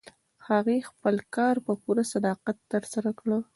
هغې خپل کار په پوره صداقت ترسره کړ.